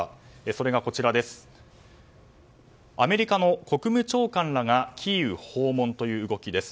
それがこちらアメリカの国務長官らがキーウ訪問という動きです。